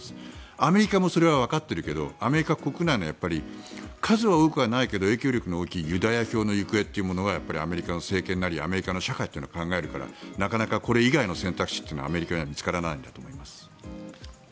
アメリカもそれはわかっているけどアメリカ国内の数は多くはないけど影響力が多いユダヤ票の行方はアメリカの政権なり社会なりは考えるからなかなかこれ以外の選択肢がアメリカには見つからないんだと思います。